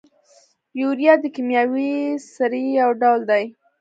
یوریا د کیمیاوي سرې یو ډول دی.